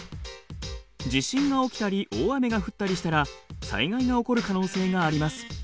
地震が起きたり大雨が降ったりしたら災害が起こる可能性があります。